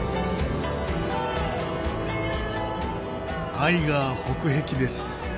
アイガー北壁です。